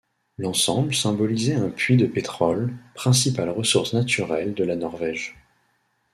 L’ensemble symbolisait un puits de pétrole, principale ressource naturelle de la Norvège.